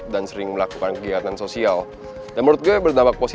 dia cuma bilang temen kampus